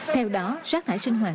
theo đó rác thải sinh hoạt